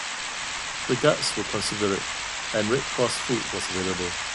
The guards were considerate, and Red Cross food was available.